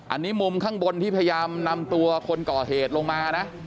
อันนี้มุมข้างบนที่พยายามนำตัวคนก่อเหตุลงมานะ